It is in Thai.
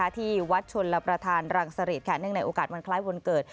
ที่วัดชนลประธานรังสริตเนื่องในโอกาสวันคล้ายวันเกิด